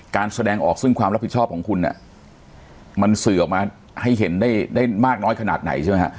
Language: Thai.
การแสดงออกซึ่งความรับผิดชอบของคุณมันสื่อออกมาให้เห็นได้มากน้อยขนาดไหนใช่ไหมฮะ